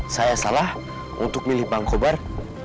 saya salah untuk milih bangkobar